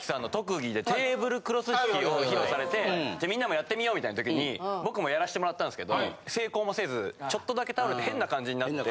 はい。を披露されてみんなもやってみようみたいな時に僕もやらしてもらったんですけど成功もせずちょっとだけ倒れて変な感じになって。